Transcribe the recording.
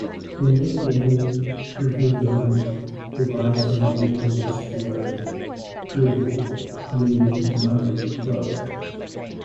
The nickname Kuvlung derives from Old Norse word "kuvl" meaning monk cloak.